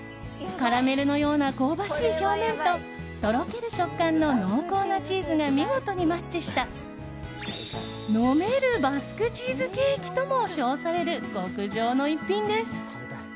カラメルのような香ばしい表面ととろける食感の濃厚なチーズが見事にマッチした飲めるバスクチーズケーキとも称される極上の逸品です。